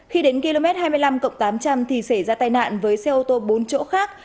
khi đến km hai mươi năm tám trăm linh thì xảy ra tai nạn với xe ô tô bốn chỗ khác